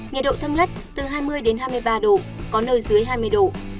nhiệt độ thâm nhất từ hai mươi hai mươi ba độ có nơi dưới hai mươi độ